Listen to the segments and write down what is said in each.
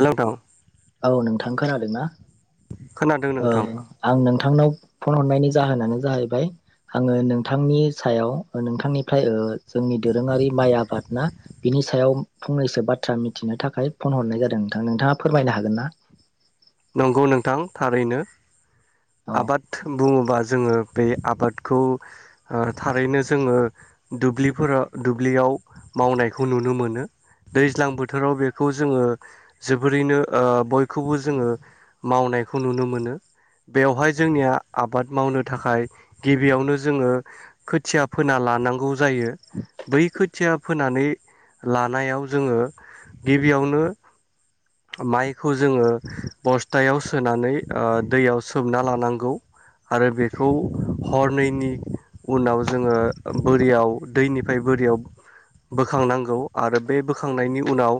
Hello [unintelligible] औ नोंथां खोनादोंना? खोनादों नोंथां ओं आं नों नोंथांनाव फन हरनायनि जाहोनानो जाहैबाय आङो नोंथांनि सायाव नोंथांनिफ्राय ओ जोंनि दोरोङारि माइ आबादा बिनि सायाव फंनैसो बाथ्रा मिथिनो थाखाय फन हरनाय जादों नोंथां नोंथाङा फोरमायनो हागोन ना? नंगौ नोंथां थारैनो औ । आबाद बुङोबा जोङो बे आबादखौ ओ थारैनो जोङो दुब्लिफोराव दुब्लियाव मावनायखौ नुनो मोनो दैज्लां बोथोराव बेखौ जोङो जोबोरैनो ओ बयखौबो जोङो मावनायखौ नुनो मोनो बेवहाय जोंनिया आबाद मावनो थाखाय गिबियावनो जोङो खोथिया फोना लानांगौ। जायो बै खोथिया फोनानै लानायाव जोङो गिबियावनो माइखौ जोङो बस्थायाव सोनानै ओ दैयाव सोमना लानांगौ आरो बेखौ हरनैनायनि उनाव जोङो बोरियाव दैनिफ्राय बोरियाव बोखांनांगौ आरो बे बोखांनायनि उनाव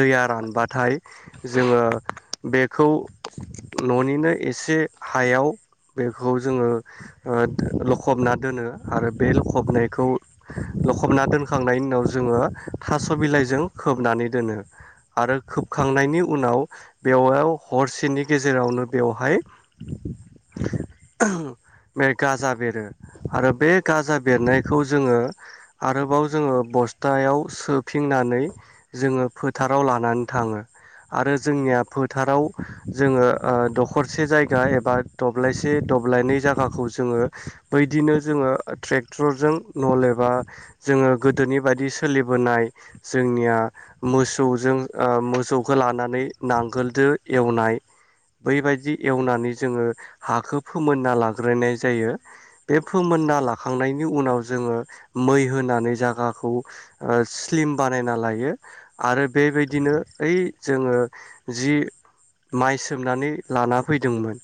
दैया रानबाथाय जोङो बे खौ न'निनो एसे हायाव बेखौ जोङो ओ लखबना दोनो आरो बे लखबनायखौ लखबना दोनखांनायनि उनाव जोङो थास' बिलाइजों खोबनानै दोनो आरो खोबखांनायनि उनाव बेवयाव हरसेनि गेजेरावनो बेवहाय बे गाजा बेरो आरो बे गाजा बेरनायखौ जोङो आरोबाव जोङो बस्थायाव सोफिनानै जोङो फोथाराव लानानै थाङो आरो जोंनिया फोथाराव जोङो ओ दखरसे जायगा एबा दब्लायसे दब्लायनै जागाखौ जोङो बैदिनो जोङो ट्रेक्टरजों नल एबा जोङो गोदोनि बायदि सोलिबोनाय जोंनिया मोसौजों ओ मोसौखौ लानानै नांगोलदो एवनाय बैबायदि एवनानै जोङो हाखौ फोमोनना लाग्रोनाय जायो बे फोमोनना लाखांनायनि उनाव जोङो मै होनानै जागाखौ स्लिम ओ बानायना लायो आरो बेबायदिनो ओइ जोङो जि माइ सोमनानै लाना फैदोंमोन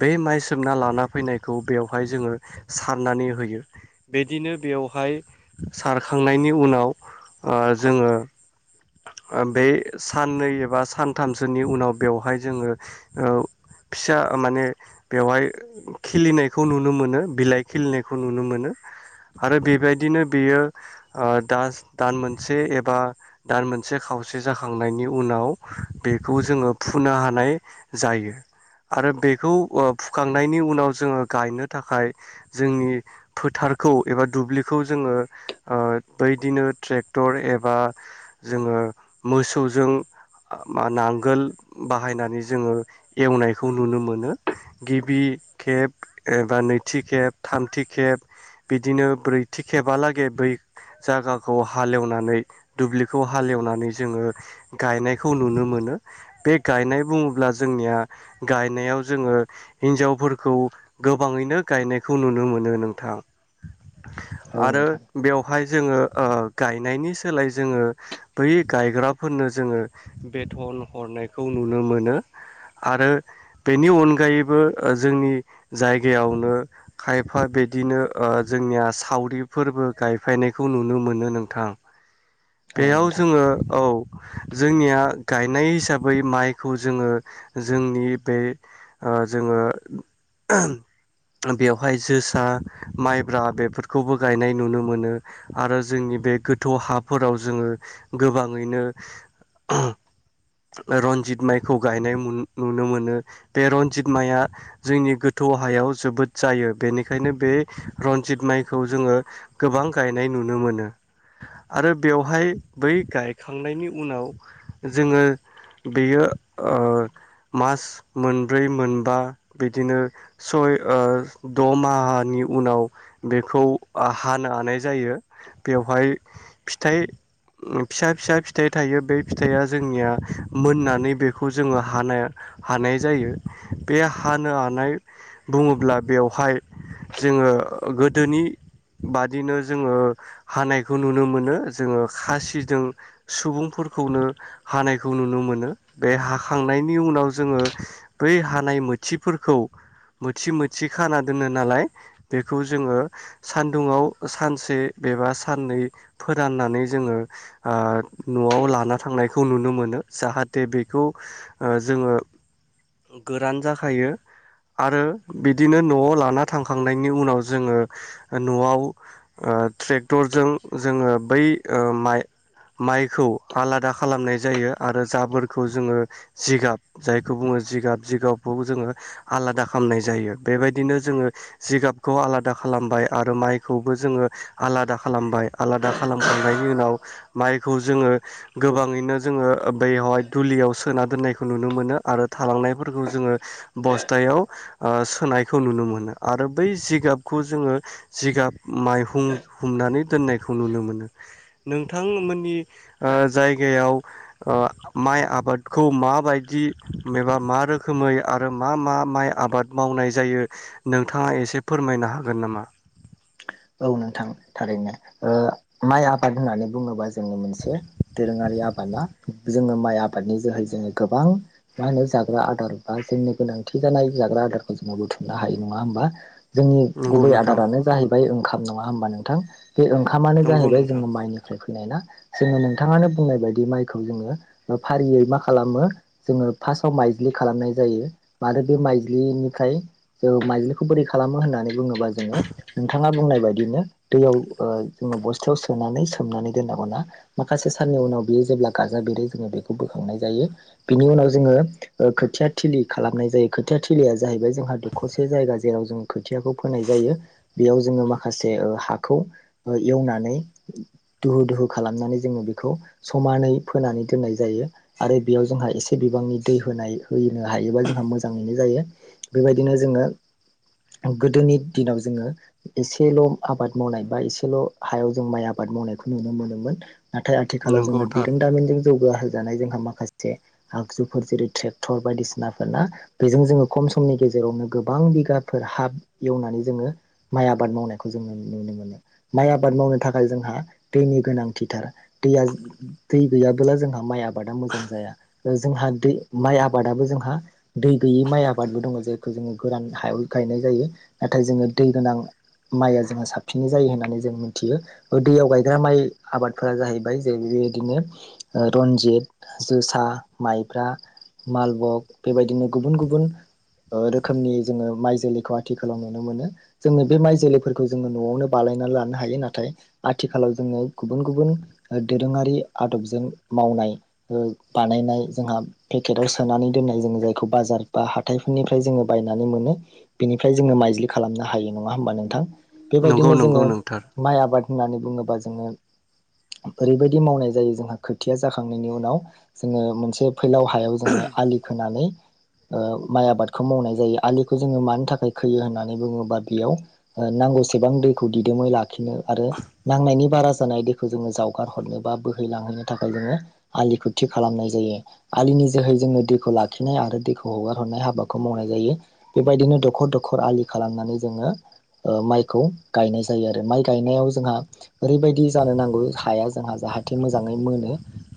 बे माइ सोमना लाना फैनायखौ बेवहाय जोङो सारनानै होयो बिदिनो बेवहाय सारखांनायनि उनाव ओ जोङो बे साननै एबा सानथामसोनि उनाव बेवहाय जोङो ओ फिसा माने बेवहाय खिलिनायखौ नुनो मोनो बिलाइ खिलिनायखौ नुनो मोनो आरो बेबायदिनो बेयो ओ दास दान मोनसे एबा दान मोनसे खावसे जाखांनायनि उनाव बेखौ जोङो फुनो हानाय जायो आरो बेखौ ओ फुखांनायनि उनाव जोङो गायनो थाखाय जोंनि फोथारखौ एबा दुब्लिखौ जोङो ओ बैदिनो ट्रेक्टर एबा जोङो मोसौजों नांगोल बाहायनानै जोङो एवनायखौ नुनो मोनो गिबि खेब एबा नैथि खेब थामथि खेब बिदिनो ब्रैथि खेबालागै बै जायागाखौ हालेवनानै दुब्लि खौ हालेवनानै जोङो गायनायखौ नुनो मोनो। बेेक गायनाय बुङोब्ला जोंनिया गायनायाव जोङो हिन्जावफोरखौ गोबाङैनो गायनायखौ नुनो मोनो नोंथां औ आरो नोंथां बेवहाय जोङो ओ गायनायनि सोलाय जोङो बै गायग्राफोरनो जोङो बेथन हरनायखौ खौ नुनो मोनो आरो बेनि अनगायैबो जोंनि जायगायावनो खायफा बिदिनो ओ जोंनिया सावरिफोरबो गायफायनायखौ नुनो मोनो नोंथां। औ बेयाव नोंथां जोङो औ जोंनिया गायनाय हिसा बै माइखौ जोङो जोंनि बे ओ जोङो बेवहाय जोसा माइब्रा बेफोरखौबो गायनाय नुनो मोनो आरो जोंनि बे गोथौ हाफोराव जोङो गोबाङैनो रनजित माइखौ गायनाय नु नुनो मोनो बे रन्जित माइआ जोंनि गोथौ हायाव जोबोद जायो बेनिखायनो बे रनजित माइखौ जोङो गोबां गायनाय नुनो मोनो आरो बेवहाय बै गायखांनायनि उनाव जोङो बेयो ओ मास मोनब्रै मोनबा बिदिनो सय ओ द मानि उनाव बेखौ हानो हानाय जायो बेवहाय फिथाइ फिसा फिसा फिथाइ थायो बे फिथाइया जोंनिया मोननानै बेखौ जोङो हानाय हानाय जायो बे हानो हानाय बुङोब्ला बेवहाय जोङो गोदोनि बादिनो जोङो हानायखौ नुनो मोनो जोङो खासिजों सुबुंफोरखौनो हानाय खौ नुनो मोनो बे हाखांनायनि उनाव जोङो बै हानाय मोथिफोरखौ मोथि मोथि खाना दोनो नालाय बेखौ जोङो सानदुंआव सानसे एबा साननै फोराननानै जोङो ओ न'आव लाना थांनायखौ नुनो मो नो जाहाथे बेखौ ओ जोङो गोरान जाखायो आरो बिदिनो न'आव लाना थांखांनायनि उनाव जोङो न'आव ओ ट्रेक्टरजों जोङो बै ओ माइ माइखौ आलादा खालामनाय जायो आरो जाबोरखौ जोङो जिगाब जायखौ बुङो जिगाब जिगाबखौ जोङो आलादा खालामनाय जायो। बेबायदिनो जोङो जिगाबखौ आलादा खालामबाय आरो माइखौबो जोङो आलादा खालामबाय आलादा खालामखांनायनि उनाव माइखौ जोङो गोबांङैनो जोङो बैयावहाय दुलियाव सोना दोननायखौ नुनो मोनो आरो थालांनायफोरखौ जोङो बस्थायाव ओ सोनायखौ नुनो मोनो आरो बै जिगाबखौ जोङो जिगाब माइहुं हुमनानै दोननायखौ नुनो मोनो। नोंथांमोननि ओ जायगायाव ओ माइ आबादखौ माबायदि एबा मा रोखोमै आरो मा मा माइ आबाद मावनाय जायो नोंथाङा एसे फोरमायनो हागोन नामा? औ नोंथां थारैनो ओ माइ आबाद होननानै बुङोबा जोंनि मोनसे दोरोङारि आबादा जोङो माइ आबादनि जोहै जोङो गोबां मा होनो जाग्रा आदार बा जोंनि गोनांथि जानाय जाग्रा आदारखौ जोङो बुथुमनो हायो नङा होमबा? जोंनि नंगौ गुबै नोंथां आदारानो जाहै फ्राय ओंखाम नङा होनोमबा नोंथां? बे ओंखामानो नंगौ जाहैबाय नोंथां जोङो माइनिफ्राय फैनाय ना। जोङो नोंथाङानो बुंनाय बायदि माइखौ जोङो फारियै मा खालामो जोङो फार्स्टआव माइज्लि खालामनाय जायो आरो बे माइज्लिनिफ्राय जों माइज्लिखौ बोरै खालामो होननानै बुङोबा जोङो नोंथाङा बुंनाय बायदिनो दैयाव ओ जोङो बस्थायाव सोनानै सोमनानै दोननांगौ ना माखासे साननि उनाव बेयो जेब्ला गाजा बेरो जोङो बेखौ बोखांनाय जायो बिनि उनाव जोङो खोथिया थिलि खालामनाय जायो खोथिया थिलिया जाहैबाय जोंहा दुखसे जायगा जेराव जों खोथियाखौ फोनाय जायो। बेयाव जोङो माखासे ओ हाखौ एवनानै दुहु दुहु खालामनानै जोङो बेखौ समानै फोनानै दोननाय जायो आरो बेयाव जोंहा एसे बिबांनि दै होनाय होयो हायोबा जोंहा मोजाङैनो जायो। बेबायदिनो जोङो गोदोनि दिनाव जोङो एसेल आबाद मावनाय बा एसेल हायाव जों माइ आबाद मावनायखौ नुनो मोनोमोन। नाथाय आथिखालाव नंगौ जोङो थार बिरोंदामिजों जौगा होजानाय जोंहा माखासे आगजुफोर जेरै ट्रेक्टर बायदिसिनाफोरना बेजों जोङो खम समनि गेजेरावनो गोबां बिगाफोर हाब एवनानै जोङो माइ आबाद मावनायखौ जोङो नुनो मोनो माइ आबाद मावनो थाखाय जोंहा दैनि गोनांथिथार दैया दै गैयाबोला जोंहा माइ आबाद आबादा मोजां जाया। ओ जोंहा माइआ जोंहा साबसिननै जायो होननानै जों मिथियो ओ दैयाव गायग्रा माइ आबादफोरा जाहैबाय जे बेबायदिनो रनजित जोसा माइब्रा मालबक बेबायदिनो गुबुन गुबुन ओ रोखोमनि जोङो माइ जोलैखौ आथिखालाव नुनो मोनो। जोङो बे माइ जोलैफोरखौ जोङो नआवनो बानायना लानो हायो नाथाय आथिखालाव जोङो गुबुन गुबुन दोरोङारि आदबजों मावनाय ओ बानायनाय जोंहा पेकेटाव सोनानै दोननाय जों जायखौ बाजार बा हाथाइफोरनिफ्राय जोङो बायनानै मोनो बेनिफ्राय जोङो माइज्लि खालामनो हायो। नङा होमबा नोंथां? नंगौ बेबायदिनो नंगौ जोङो नोंथार माइ आबाद होननानै बुङोबा जोङो ओरैबायदि मावनाय जायो जोंहा खोथिया जाखांनायनि उनाव जोङो मोनसे फैलाव हायाव जोङो आलि खोनानै ओ माइ आबादखौ मावनाय जायो आलिखौ जोङो मानि थाखाय खोयो होननानै बुङोबा बेयाव ओ नांगौसेबां दैखौ दिदोमै ला खिनो आरो नांनायनि बारा जानाय दैखौ जो जावगारहरनो बा बोहैलांहोनो थाखाय जोङो आलिखौ थि खालामनाय जायो आलिनि जोहै जोङो दैखौ लाखिनाय आरो दैखौ हगार हरनाय हाबाखौ मावनाय जायो बेबायदिनो दखर दखर आलि खालामनानै जोङो ओ माइखौ गायनाय जायो आरो माइ गायनायाव जोंहा ओरैबायदि जानो नांगौ हाया जोंहा जाहाथे मोजाङै मोनो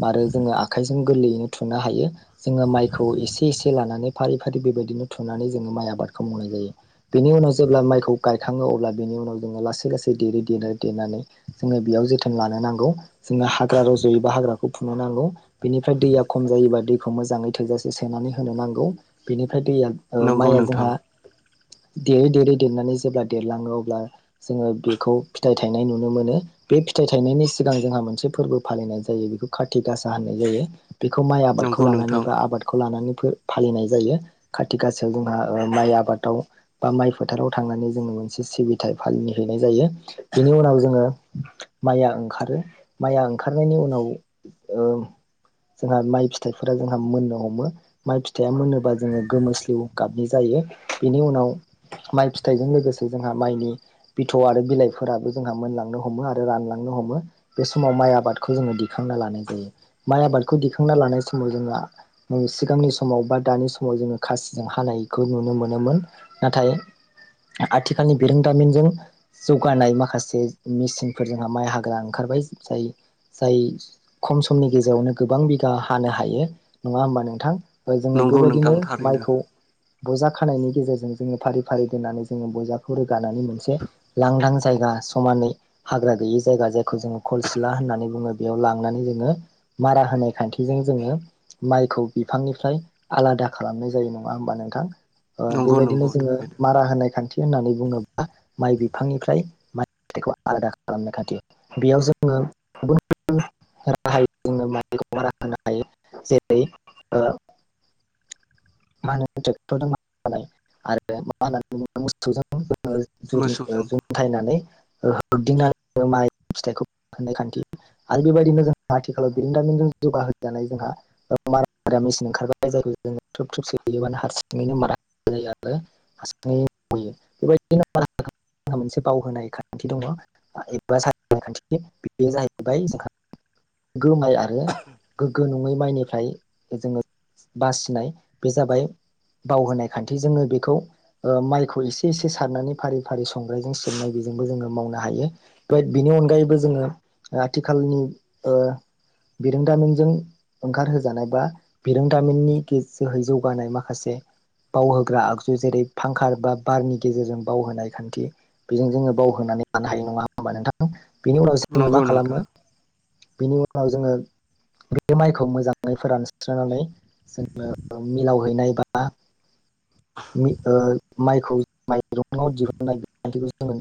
आरो जोङो आखाइजों गोरलैयैनो थुनो हायो जोङो माइखौ एसे एसे लानानै फारि फारि बेबायदिनो थुनानै जोङो माइ आबादखौ मावनाय जायो। जेब्ला माइखौ गायखाङो अब्ला बेनि उनाव जोङो लासै लासै देरै देरै देरनानै जोङो बेयाव जोथोन लानो नांगौ जोङो हाग्रा रजयोबा हाग्राखौ फुनो नांगौ बेनिफ्राय दैया खम जायोबा दैखौ मोजाङै थोजासे सोनानै होनो नांगौ। ओमफ्राय दैया ओ नंगौ माइआ नोंथां जोंहा दे देरै देरनानै जेब्ला देरलाङो अब्ला जोङो बेखौ फिथाइ थायनाय बेखौ माइ आबादखौ नंगौ लानानै नोंथां बा आबादखौ लानानै फो फालिनाय जायो खाथि गासायाव जोंहा ओ माइ आबादाव बा माइ फो थाराव थांनानै जोङो मोनसे सिबिथाय फालि हैनाय जायो बेनि उनाव जोङो माइया ओंखारो माइया ओंखारनायनि उनाव ओ जोंहा माइ फिथाइफोरा जोंहा मोननो हमो माइ फिथाइया मोनोबा जोङो गोमोस्लिउ गाबनि जायो बेनि उनाव माइ फिथाइजों लोगोसे जोंहा माइनि बिथ' आरो बिलाइफोराबो जोंहा मोनलांनो हमो आरो रानलांनो हमो बे समाव माइ आबादखौ जोङो दिखांना लानाय जायो माइ आबादखौ दिखांना लानाय समाव जोंहा सिगांनि समाव बा दानि समाव जोङो खासिजों हानायखौ नुनो मोनोमोन नाथाय आथिखालनि बिरोंदामिनजों जौगानाय माखासे मेसिनफोर जोंहा माइ हाग्रा ओंखारबाय जाय जाय खम समनि गेजेरावनो गोबां बिघा हानो हायो नङा होमबा नोंथां? ओ जोङो नंगौ बेबायदिनो नोंथां थारैनो माइखौ बजा खानायनि गेजेरजों जोङो फारि फारि दोननानै जोङो बजाखौ रोगानानै मोनसे लांदां जायगा समानै हाग्रा गैयि जायगा जायखौ जोङो खलसिला होननानै बुङो बेयाव लांनानै जोङो मारा होनाय खान्थिजों जोङो माइखौ बिफांनिफ्राय आलादा खालामनाय जायो नङा होमबा नोंथां? ओ नंगौ बेबायदिनो नंगौ जोङो थारैनो मारा होनाय खान्थि होननानै बुङोब्ला माइ बिफांनिफ्राय माइखौ आलादा खालामनाय खान्थि बेयाव जोङो गुबुन गुबुन राहायै जोङो माइखौ मारा होनो हायो जेरै ओ [unintelligible] [unintelligible] मोसौजों [unintelligible] होदिंनानै माइ फिथाइखौ होननाय खान्थि आरो बेबायदिनो जों आथिखालाव बिरंदामिनजों जौगाहानाय जोंहा मारा मेसिन ओंखारबाय जायखौ जों थ्रुब थ्रुब सोलियोबानो हारसिङैनो मारा जायो आरो [unintelligible] मोनसे बावहोनाय खान्थि दङ एबा [unintelligible] बेयो जाहैबाय जोंहा गोग्गो माइ आरो गोग्गो नङै माइनिफ्राय जोङो बासिनाय बे जाबाय बावहोनाय खान्थि जोङो बेखौ ओ माइखौ एसे एसे सारनानै फारि फारि संग्रायजों सिबनाय बेजोंबो जोङो मावनो हायो बाट बिनि अनगायैबो जोङो आथिखालनि ओ बिरोंदामिनजों ओंखारहोजानाय बा बिरोंदामिननि जोहै जौगानाय माखासे बावहोग्रा आगजु जेरै फांखा एबा बारनि गेजेरजों बावहोनाय खान्थि बेजों जोङो बावहोनानै लानो हायो नङा होमबा नोंथां? बेनि उनावो जोङो मा नंगौ खालामो नोंथां बेनि उनाव जोङो बे माइखौ मोजाङै फोरानस्रोनानै जोङो मिलाव हैनाय बा मि ओ माइखौ माइरंआव दिहुननाय बिखान्थिखौ जोङो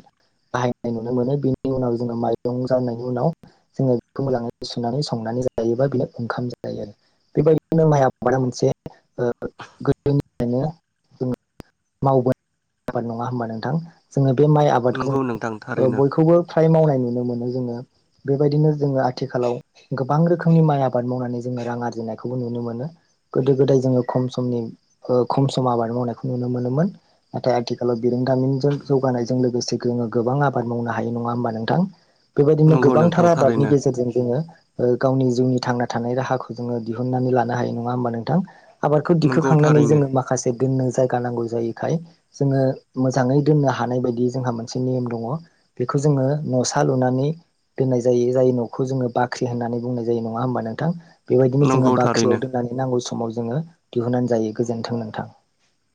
बाहायनाय नुनो मोनो बेनि उनाव जोङो माइरं जानायनि उनाव जोङो बेखौ मोजाङै सुनानै संनानै जायो बा बेनो ओंखाम जायो आरो बेबायदिनो माइ आबादा मोनसे ओ गोदोनिफ्रायनो [unintelligible] मावबोनाय आबाद नङा होमबा नोंथां जोङो बे माइ आबादखौ नंगौ नोंथां ओ थारैनो बयखौबो फ्राय मावनाय नुनो मोनो। मोनो जोङो बेबायदिनो जोङो आथिखालाव गोबां रोखोमनि माइ आबाद मावनानै जोङो रां आरजिनायखौबो नुनो मोनो गोदो गोदाय जोङो खम समनि ओ खम सम आबाद मावनायखौ नुनो मोनोमोन नाथाय आथिखालाव बिरोंदामिनजों जौगानायजों लोगोसे जोङो गोबां आबाद मावनो हायो नङा होमबा नोंथां। बेबायदिनो नंगौ गोबांथार नोंथां आबादनि थारैनो गेजेरजों जोङो ओ गावनि जिउनि थांना थानाय राहाखौ जोङो दिहुनन्नानै लानो हायो नङा होमबा नोंथां। आबादखौ नंगौ दिखोखांनानै थारैनो जोङो मा दोननो जायगा नांगौ जायैखाय जोङो मोजाङै दोननो हानाय बायदि जोंहा मोनसे नियम दङ बेखौ जोङो न'सा लुनानै दोननाय जायो जाय न'खौ जोङो बाख्रि होननानै बुंनाय जायो नङा होमबा नोंथां। बेबायदिनो जोङो नंगौ थारैनो बाख्रियाव दोननानै नांगौ समाव जोङो दिहुननानै जायो गोजोन्थों। थां।